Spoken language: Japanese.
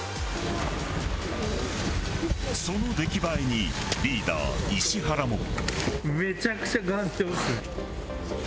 その出来栄えにリーダー石原も。